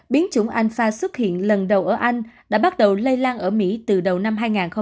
biến chủng alpha xuất hiện lần đầu ở anh đã bắt đầu lây lan ở mỹ từ đầu năm hai nghìn hai mươi một